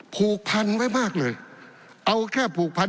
ผูกพันไว้มากเลยเอาแค่ผูกพัน